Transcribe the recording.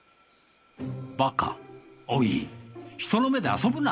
おい人の目で遊ぶな！